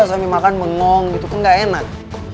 ini makan bengong gitu kan ga enak